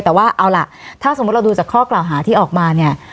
แต่ว่าเอาล่ะถ้าสมมุติเราดูจากข้อกล่าวหาที่ออกมาเนี่ย